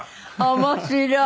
面白い。